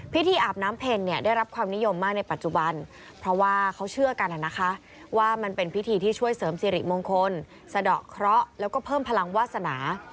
อาบน้ำเพ็ญเนี่ยได้รับความนิยมมากในปัจจุบันเพราะว่าเขาเชื่อกันนะคะว่ามันเป็นพิธีที่ช่วยเสริมสิริมงคลสะดอกเคราะห์แล้วก็เพิ่มพลังวาสนา